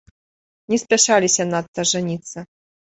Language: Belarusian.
Не спяшаліся надта жаніцца.